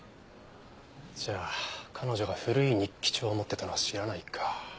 じゃあ彼女が古い日記帳を持ってたのは知らないか。